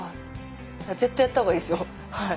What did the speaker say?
絶対やった方がいいですよ。